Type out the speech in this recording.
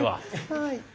はい。